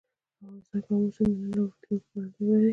افغانستان کې آمو سیند د نن او راتلونکي لپاره ارزښت لري.